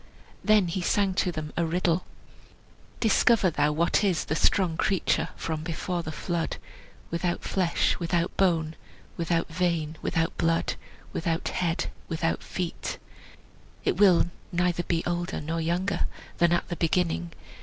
Then he sang to them a riddle: "Discover thou what is The strong creature from before the flood, Without flesh, without bone, Without vein, without blood, Without head, without feet; It will neither be older nor younger Than at the beginning.